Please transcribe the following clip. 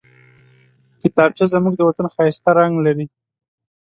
کتابچه زموږ د وطن ښايسته رنګ لري